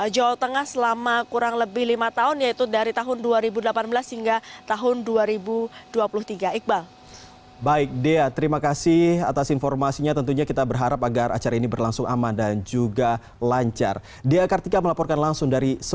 jawa tengah selama kurang lebih lima tahun yaitu dari tahun dua ribu delapan belas hingga tahun dua ribu dua puluh tiga